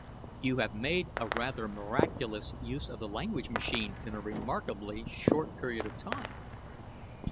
"You have made a rather miraculous use of the language machine in a remarkably short period of time."